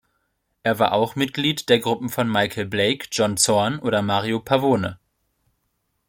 Er war auch Mitglied der Gruppen von Michael Blake, John Zorn oder Mario Pavone.